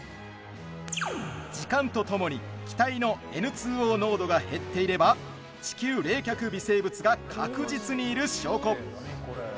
時間と共に気体のＮ２Ｏ濃度が減っていれば地球冷却微生物が確実にいる証拠。